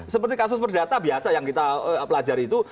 seperti kasus perdata biasa yang kita pelajari itu